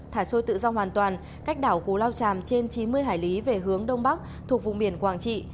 thả sôi tự do hoàn toàn cách đảo cù lao tràm trên chín mươi hải lý về hướng đông bắc thuộc vùng biển quảng trị